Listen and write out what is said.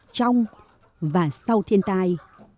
trong và sau thiên tai